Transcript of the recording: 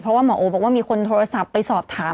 เพราะว่าหมอโอบอกว่ามีคนโทรศัพท์ไปสอบถาม